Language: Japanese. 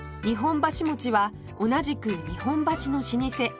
日本橋餅は同じく日本橋の老舗